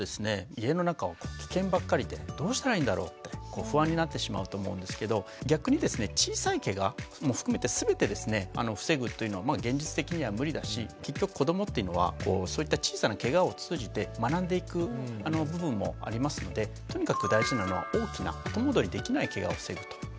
家の中はキケンばっかりでどうしたらいいんだろうって不安になってしまうと思うんですけど逆にですね小さいケガも含めて全てですね防ぐというのは現実的には無理だし結局子どもっていうのはそういった小さなケガを通じて学んでいく部分もありますのでとにかく大事なのは大きな後戻りできないケガを防ぐということですね。